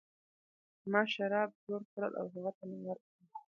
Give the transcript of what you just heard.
ما شراب جوړ کړل او هغه ته مې ورکړل.